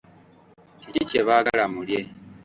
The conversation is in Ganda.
Kiki kye bagaala mulye?